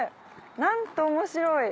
なんと面白い！